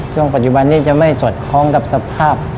ช่วงปัจจุบันนี้จะไม่สอดคล้องกับสภาพ